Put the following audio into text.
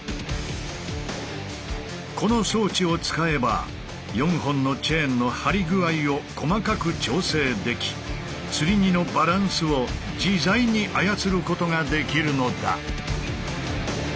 この装置を使えば４本のチェーンの張り具合を細かく調整できつり荷のバランスを自在に操ることができるのだ。